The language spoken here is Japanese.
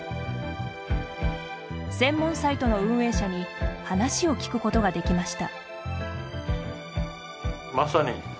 専門サイトの運営者に話を聞くことができました。